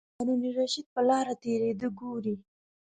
هارون الرشید په لاره تېرېده ګوري.